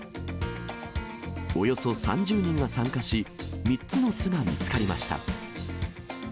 およそ３０人が参加し、３つの巣が見つかりました。